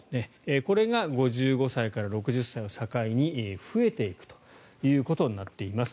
これが５５歳から６０歳を境に増えていくということになっています。